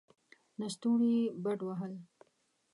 لستوڼې يې بډ ووهل.